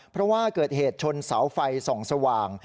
เพราะว่าเกิดเหตุชนเสาไฟส่องสว่าง